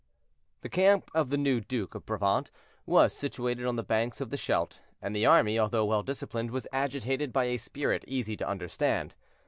The camp of the new Duke of Brabant was situated on the banks of the Scheldt, and the army, although well disciplined, was agitated by a spirit easy to understand.